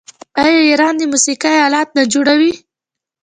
آیا ایران د موسیقۍ الات نه جوړوي؟